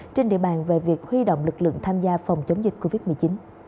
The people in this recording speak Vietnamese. trên địa bàn về việc huy động lực lượng tham gia phòng chống dịch covid một mươi chín